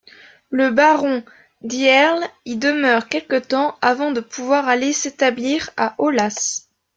Le baron d'Hierle y demeure quelque temps avant de pouvoir aller s'établir à Aulas.